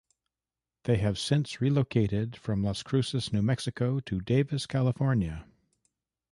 They have since relocated from Las Cruces, New Mexico to Davis, California.